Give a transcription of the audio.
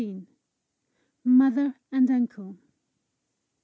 MOTHER AND UNCLE.